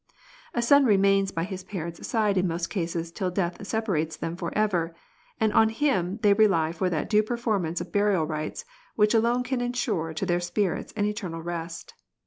A son remains by his parents' side in most cases till death separates them for ever, and on him they rely for that due perform ance of burial rites which alone can ensure to their spirits an eternal rest.